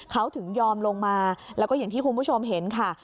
เขาถึงยอมลงมาแล้วก็อย่างที่คุณผู้ชมเห็นค่ะ